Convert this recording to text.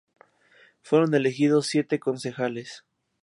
Fueron elegidos siete concejales.